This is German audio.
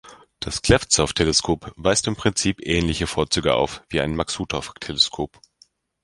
Das Klevtsov-Teleskop weist im Prinzip ähnliche Vorzüge auf wie ein Maksutov-Teleskop.